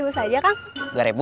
dua ribu saja kang